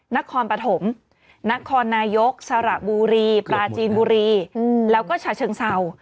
นครปฐมนครนายกสระบุรีปลาจีนบุรีแล้วก็ฉะเชิงเศร้า